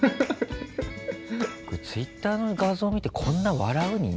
ツイッターの画像見てこんな笑う？